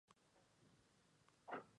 Nacido en Bangor, Maine.